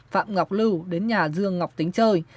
phạm ngọc lưu đến nhà dương ngọc tính chơi